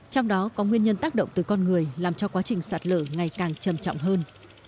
trong đó có nguyên nhân tác động từ con người làm cho quá trình sạt lở ngày càng trầm trọng hơn